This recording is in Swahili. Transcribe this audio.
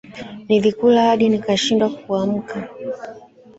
Nilikula hadi nikashindwa kuamka